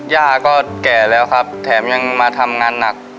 ย่าก็แก่แล้วครับแถมยังมาทำงานหนัก